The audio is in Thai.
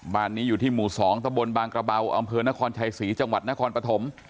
บ้านนี้อยู่ที่หมู่๒ตะบนบางกระเบาอำเภอนครชัยศรีจังหวัดนครปฐม